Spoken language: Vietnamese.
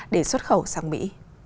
để xuất khẩu sang mỹ